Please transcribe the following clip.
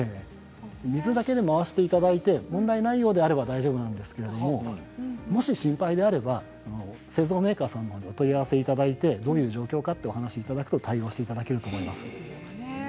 水だけで回していただいて問題ないようであれば大丈夫なんですけれどももし心配であれば製造メーカーさんにお問い合わせいただいてどういう状況かお話しいただくと対応していただけると思います。